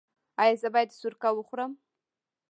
ایا زه باید سرکه وخورم؟